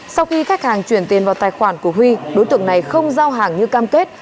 sau khi khách hàng chuyển tiền vào tài khoản của huy đối tượng này không giao hàng như cam kết